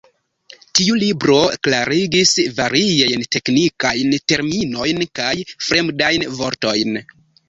Tiu libro klarigis variajn teknikajn terminojn kaj fremdajn vortojn.